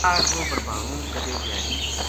کاہڈ وہ بھربھانو کَدے دھیاڑی